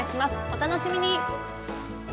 お楽しみに！